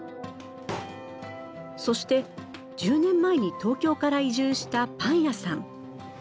そして１０年前に東京から移住したパン屋さん。